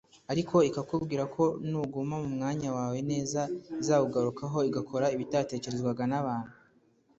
ariko ikakubwira ko nuguma mu mwanya wawe neza izakugarukaho igakora ibitatekerezwaga n’abantu